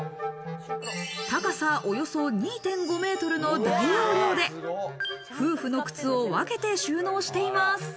高さおよそ２．５メートルの大容量で、夫婦の靴を分けて収納しています。